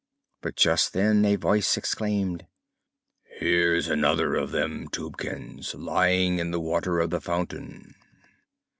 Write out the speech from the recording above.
But just then a Voice exclaimed: "Here's another of them, Tubekins, lying in the water of the fountain."